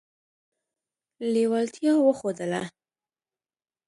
لېوالتیا وښودله.